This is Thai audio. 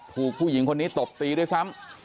ผู้หญิงคนนี้ตบตีด้วยซ้ำ